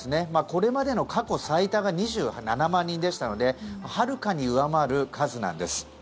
これまでの過去最多が２７万人でしたのではるかに上回る数なんです。